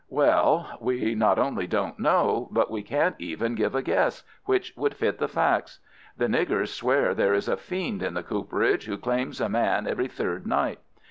"Well, we not only don't know, but we can't even give a guess which would fit the facts. The niggers swear there is a fiend in the cooperage who claims a man every third night.